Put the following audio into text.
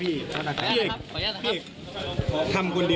พี่เอกเอาเงินไปไหนพี่